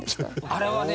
あれはね。